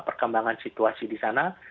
perkembangan situasi di sana